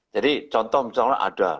jadi contoh misalnya ada